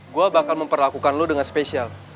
gue bakal memperlakukan lo dengan spesial